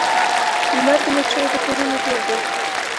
لمر د مچېو د کورونو جوړ دی